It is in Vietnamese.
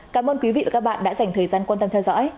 cảm ơn quý vị và các bạn đã dành thời gian quan tâm theo dõi